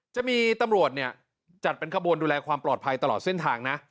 จะมีตำรวจเนี่ยจัดเป็นขบวนดูแลความปลอดภัยตลอดเส้นทางนะ